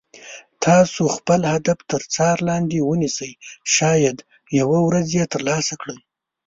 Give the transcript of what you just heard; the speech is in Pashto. تاسو خپل هدف تر څار لاندې ونیسئ شاید یوه ورځ یې تر لاسه کړئ.